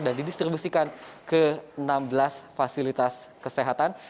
dan didistribusikan ke enam belas fasilitas kesehatan